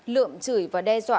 lượm chửi và đe dọa